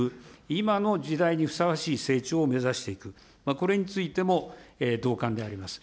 今の時代にふさわしい成長を目指していく、これについても同感であります。